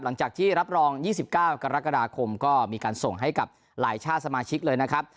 หลังจากที่รับรอง๒๙กรกฎาคมก็มีการส่งให้กับหลายชาติสมาชิกเลยนะครับ